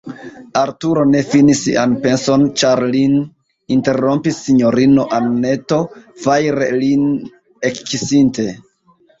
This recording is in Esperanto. Arturo ne finis sian penson, ĉar lin interrompis sinjorino Anneto, fajre lin ekkisinte.